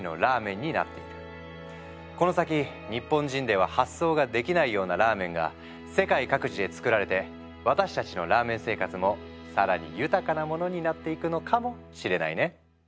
この先日本人では発想ができないようなラーメンが世界各地で作られて私たちのラーメン生活も更に豊かなものになっていくのかもしれないね。